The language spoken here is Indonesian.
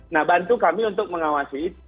nah bantu kami untuk mengawasi itu